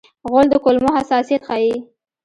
غول د کولمو حساسیت ښيي.